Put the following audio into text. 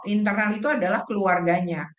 internal itu adalah keluarganya